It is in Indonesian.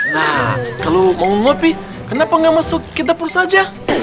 nah kalau mau kopi kenapa gak masuk ke dapur saja